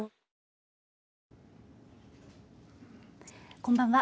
こんばんは。